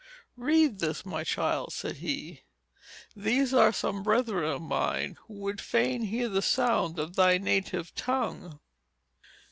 "Read this, my child," said he, "these are some brethren of mine, who would fain hear the sound of thy native tongue."